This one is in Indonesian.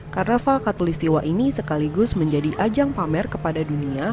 karnaval katulistiwa ini sekaligus menjadi ajang pamer kepada dunia